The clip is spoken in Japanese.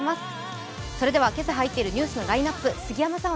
今朝入っているニュースのラインナップ杉山さん